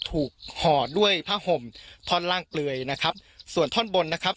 ห่อด้วยผ้าห่มท่อนล่างเปลือยนะครับส่วนท่อนบนนะครับ